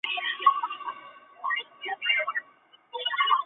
布尔格瓦尔德是德国黑森州的一个市镇。